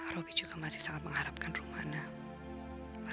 roby juga masih sangat mengharapkan rumana